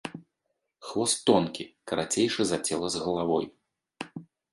Хвост тонкі, карацейшы за цела з галавой.